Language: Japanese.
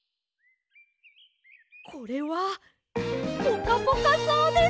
これはポカポカそうです！